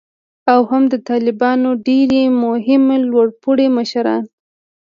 او هم د طالبانو ډیر مهم لوړ پوړي مشران